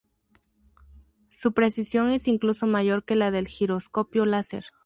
Su precisión es incluso mayor que la del giroscopio láser.